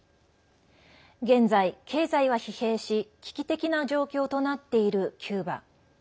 現在、経済は疲弊し危機的な状況となっているキューバ。